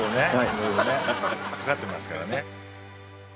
いろいろねかかってますからね。